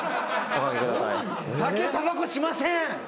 酒たばこしません。